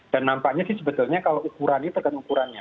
dan nampaknya sih sebetulnya kalau ukurannya tergantung ukurannya